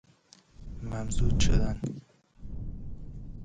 ممزوج شدن